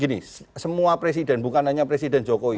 gini semua presiden bukan hanya presiden jokowi